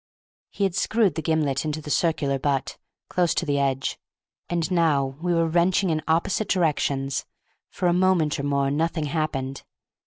He had screwed the gimlet into the circular butt, close to the edge, and now we were wrenching in opposite directions. For a moment or more nothing happened.